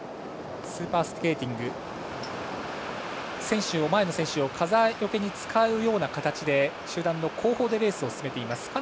スーパースケーティング前の選手を風よけに使うような感じで集団の後方でレースを進めています。